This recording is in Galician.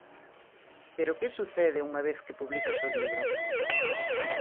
Pero que sucede unha vez que publicas o libro?